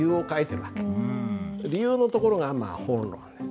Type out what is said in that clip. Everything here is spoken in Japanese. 理由のところがまあ本論です。